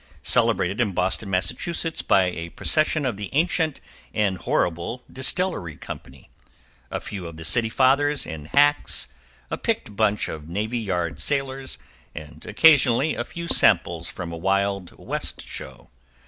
= Celebrated in Boston, Mass., by a procession of the Ancient and Horrible Distillery Company, a few of the City Fathers in hacks, a picked bunch of Navy Yard sailors and occasionally a few samples from a Wild West Show.